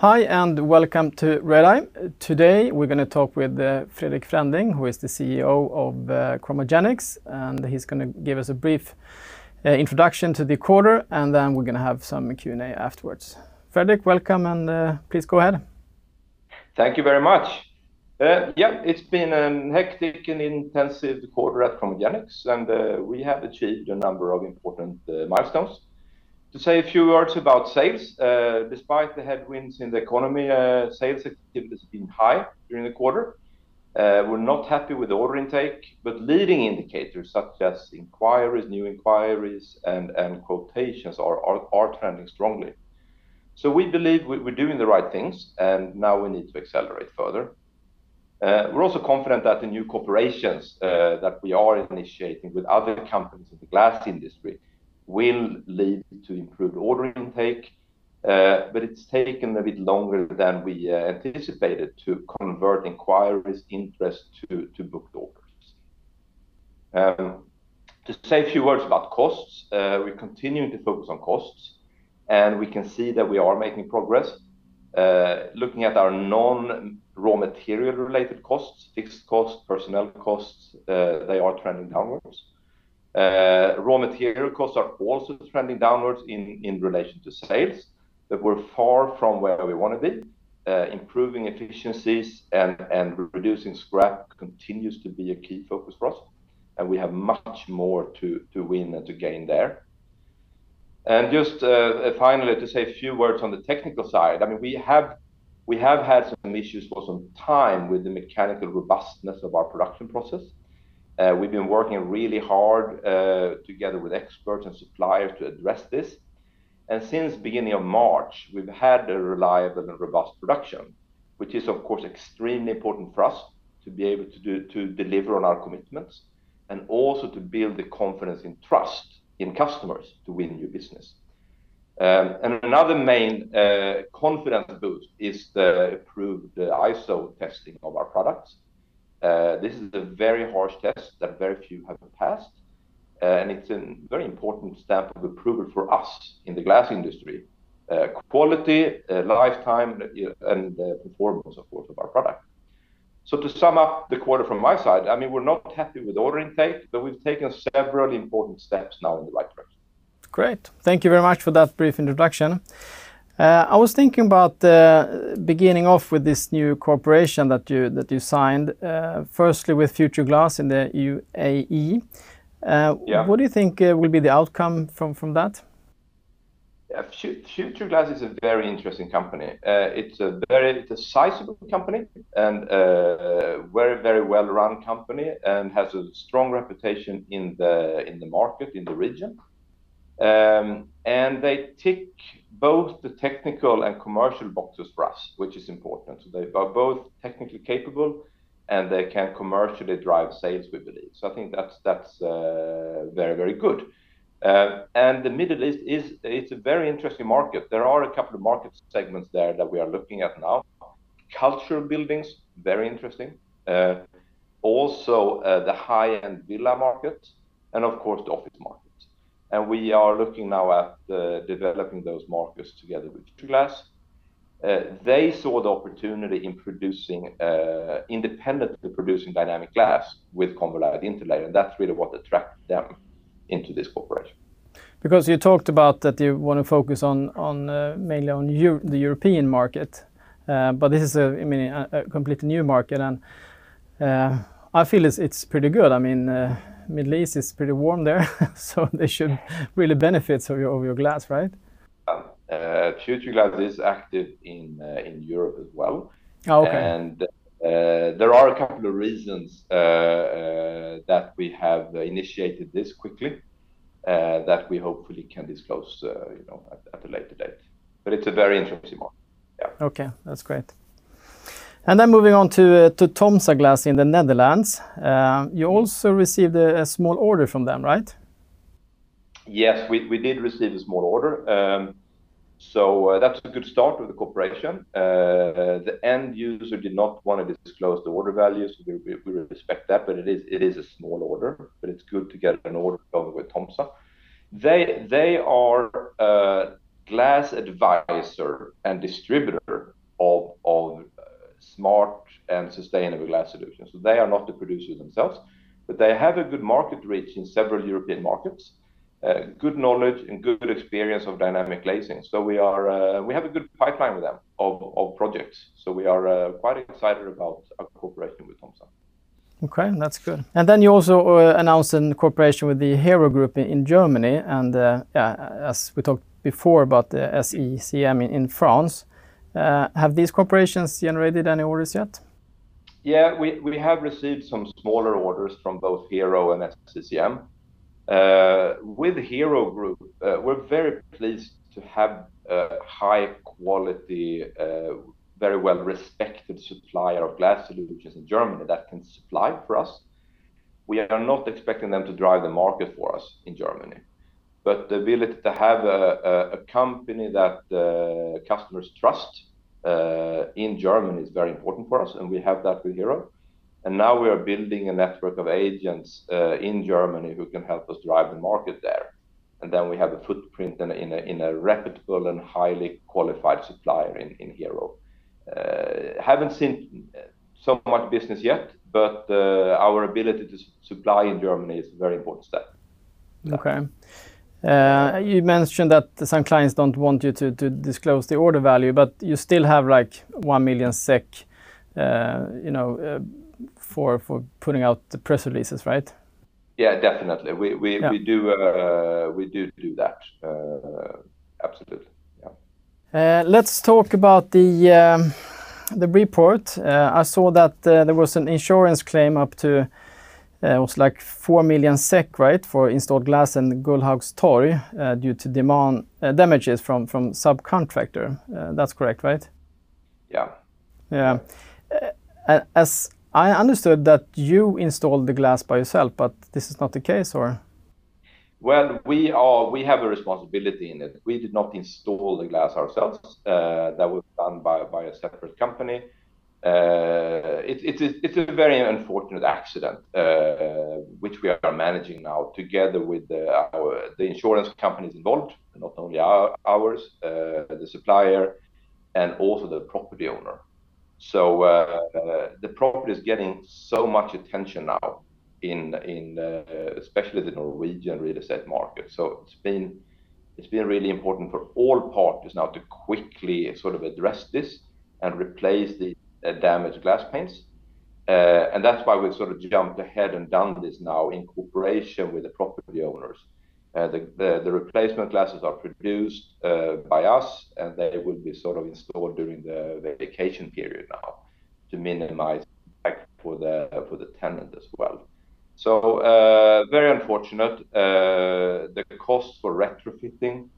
Hi, and welcome to Redeye. Today, we're gonna talk with Fredrik Fränding, who is the CEO of ChromoGenics, and he's gonna give us a brief introduction to the quarter, and then we're gonna have some Q&A afterwards. Fredrik, welcome, and please go ahead. Thank you very much. Yeah, it's been an hectic and intensive quarter at ChromoGenics, we have achieved a number of important milestones. To say a few words about sales, despite the headwinds in the economy, sales activity has been high during the quarter. We're not happy with the order intake, but leading indicators, such as inquiries, new inquiries, and quotations are trending strongly. We believe we're doing the right things, and now we need to accelerate further. We're also confident that the new corporations that we are initiating with other companies in the glass industry will lead to improved order intake. It's taken a bit longer than we anticipated to convert inquiries, interest to book the orders. To say a few words about costs, we're continuing to focus on costs, and we can see that we are making progress. Looking at our non-raw material related costs, fixed costs, personnel costs, they are trending downwards. Raw material costs are also trending downwards in relation to sales, but we're far from where we want to be. Improving efficiencies and reducing scrap continues to be a key focus for us, and we have much more to win and to gain there. Just, finally, to say a few words on the technical side, I mean, we have had some issues for some time with the mechanical robustness of our production process. We've been working really hard together with experts and suppliers to address this, and since beginning of March, we've had a reliable and robust production, which is, of course, extremely important for us to be able to deliver on our commitments, and also to build the confidence and trust in customers to win new business. Another main confidence boost is the approved ISO testing of our products. This is a very harsh test that very few have passed, and it's a very important stamp of approval for us in the glass industry. Quality, lifetime, and the performance, of course, of our product. To sum up the quarter from my side, I mean, we're not happy with order intake, but we've taken several important steps now in the right direction. Great. Thank you very much for that brief introduction. I was thinking about beginning off with this new cooperation that you signed firstly with Future Glass in the UAE. Yeah. What do you think, will be the outcome from that? Yeah, Future Glass is a very interesting company. It's a very decisive company and a very well-run company and has a strong reputation in the, in the market, in the region. They tick both the technical and commercial boxes for us, which is important. They are both technically capable, they can commercially drive sales, we believe. I think that's very good. The Middle East it's a very interesting market. There are a couple of market segments there that we are looking at now. Cultural buildings, very interesting. also, the high-end villa market, of course, the office market. We are looking now at, developing those markets together with Future Glass. They saw the opportunity in producing independently producing dynamic glass with ConverLight Interlayer, and that's really what attracted them into this cooperation. You talked about that you want to focus on mainly on the European market. This is a, I mean, a completely new market. I feel it's pretty good. I mean, Middle East is pretty warm there. They should really benefit from your glass, right? Future Glass is active in Europe as well. Okay. There are a couple of reasons that we have initiated this quickly that we hopefully can disclose, you know, at a later date. It's a very interesting one. Yeah. Okay, that's great. Moving on to Thomsa Glass in the Netherlands. You also received a small order from them, right? Yes, we did receive a small order. That's a good start with the cooperation. The end user did not want to disclose the order value, we respect that, but it is a small order, but it's good to get an order with Thomsa Glass. They are a glass advisor and distributor of smart and sustainable glass solutions. They are not the producers themselves, but they have a good market reach in several European markets, good knowledge and good experience of dynamic glazing. We are, we have a good pipeline with them of projects, we are quite excited about our cooperation with Thomsa Glass. Okay, that's good. You also announced in cooperation with the Hero-Group GmbH in Germany, as we talked before about the SECM in France, have these corporations generated any orders yet? We have received some smaller orders from both Hero and SECM. With Hero-Group GmbH, we're very pleased to have a high quality, very well-respected supplier of glass solutions in Germany that can supply for us. We are not expecting them to drive the market for us in Germany. The ability to have a company that customers trust in Germany is very important for us, and we have that with Hero. Now we are building a network of agents in Germany who can help us drive the market there. Then we have a footprint in a reputable and highly qualified supplier in Hero. Haven't seen so much business yet, but our ability to supply in Germany is a very important step. Okay. You mentioned that the same clients don't want you to disclose the order value, but you still have, like, 1 million SEK, you know, for putting out the press releases, right? Yeah, definitely. Yeah. We do that. Absolutely, yeah. Let's talk about the report. I saw that there was an insurance claim up to it was like 4 million SEK, right, for installed glass in Gullhaug Torg, due to damages from subcontractor. That's correct, right? Yeah. As I understood that you installed the glass by yourself, but this is not the case, or? Well, we have a responsibility in it. That was done by a separate company. It's a very unfortunate accident, which we are managing now together with our, the insurance companies involved, not only ours, the supplier and also the property owner. The property is getting so much attention now in especially the Norwegian real estate market. It's been really important for all parties now to quickly sort of address this and replace the damaged glass panes. That's why we've sort of jumped ahead and done this now in cooperation with the property owners. The replacement glasses are produced by us, and they will be sort of installed during the vacation period now to minimize impact for the, for the tenant as well. Very unfortunate. The cost for retrofitting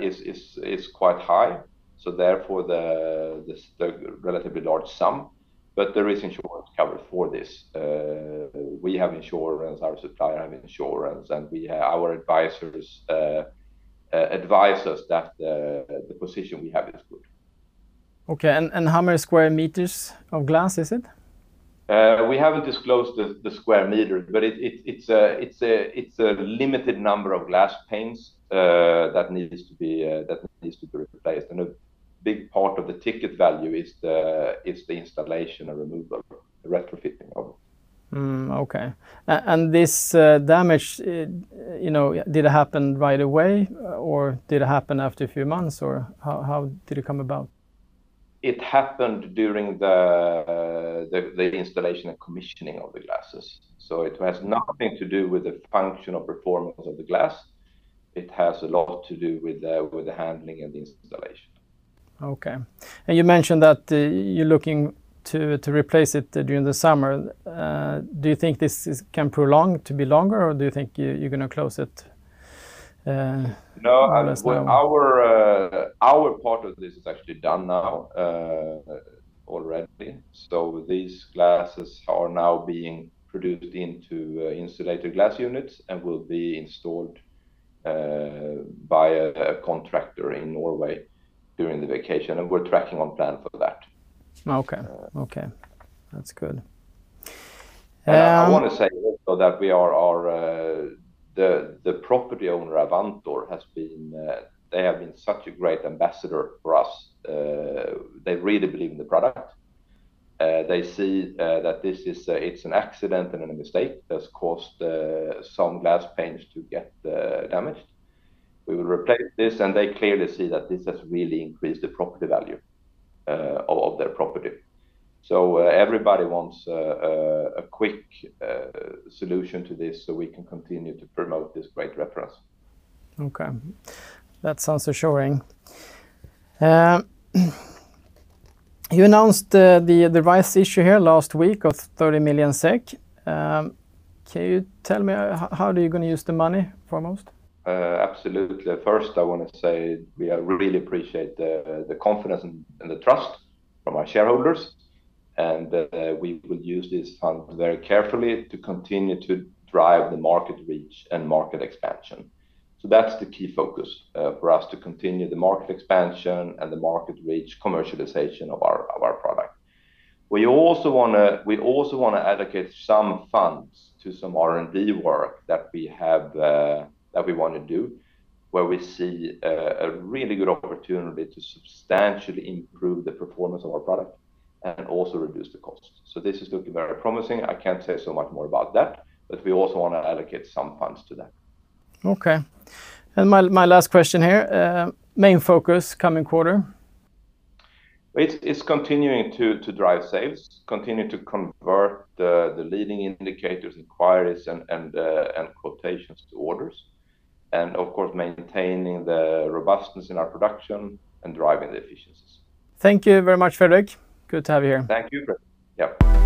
is quite high, so therefore the, this, the relatively large sum, but there is insurance cover for this. We have insurance, our supplier have insurance, and we, our advisors advise us that the position we have is good. Okay, and how many square meters of glass is it? We haven't disclosed the square meter, but it's a limited number of glass panes, that needs to be replaced. A big part of the ticket value is the installation and removal, the retrofitting of them. Okay. This damage, you know, did it happen right away, or did it happen after a few months, or how did it come about? It happened during the installation and commissioning of the glasses. It has nothing to do with the function or performance of the glass. It has a lot to do with the handling and the installation. Okay. You mentioned that you're looking to replace it during the summer. Do you think this can prolong to be longer, or do you think you're gonna close it? No... unless now? Our part of this is actually done now, already. These glasses are now being produced into insulated glass units and will be installed by a contractor in Norway during the vacation, we're tracking on plan for that. Okay. Uh. Okay, that's good. I want to say also that we are. The property owner, Avantor, has been, they have been such a great ambassador for us. They really believe in the product. They see that this is a, it's an accident and a mistake that's caused some glass panes to get damaged. We will replace this, and they clearly see that this has really increased the property value of their property. Everybody wants a quick solution to this so we can continue to promote this great reference. Okay, that sounds assuring. You announced the right issue here last week of 30 million SEK. Can you tell me how are you going to use the money foremost? Absolutely. First, I want to say we really appreciate the confidence and the trust from our shareholders. We will use these funds very carefully to continue to drive the market reach and market expansion. That's the key focus for us to continue the market expansion and the market reach, commercialization of our product. We also want to allocate some funds to some R&D work that we have that we want to do, where we see a really good opportunity to substantially improve the performance of our product and also reduce the cost. This is looking very promising. I can't say so much more about that, but we also want to allocate some funds to that. Okay, my last question here, main focus coming quarter? It's continuing to drive sales, continue to convert the leading indicators, inquiries, and quotations to orders, of course, maintaining the robustness in our production and driving the efficiencies. Thank you very much, Fredrik. Good to have you here. Thank you, Brett. Yep.